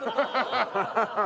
ハハハハ。